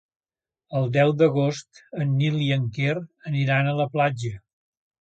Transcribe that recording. El deu d'agost en Nil i en Quer aniran a la platja.